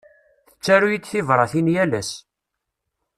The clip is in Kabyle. Tettaru-yi-d tibratin yal ass.